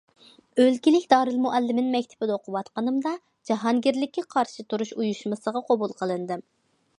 ئۆلكىلىك دارىلمۇئەللىمىن مەكتىپىدە ئوقۇۋاتقىنىمدا جاھانگىرلىككە قارشى تۇرۇش ئۇيۇشمىسىغا قوبۇل قىلىندىم.